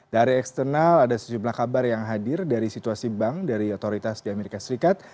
dari eksternal ada sejumlah kabar yang hadir dari situasi bank dari otoritas di amerika serikat